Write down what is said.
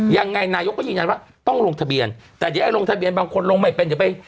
ยังไงนายกก็ยืนยันว่าต้องลงทะเบียนแต่เดี๋ยวไอ้ลงทะเบียนบางคนลงไม่เป็นเดี๋ยวไป